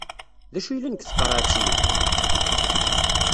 D acu yellan deg tqerɛet-nni?